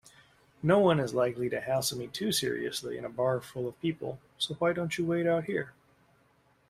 Noone is likely to hassle me too seriously in a bar full of people, so why don't you wait out here?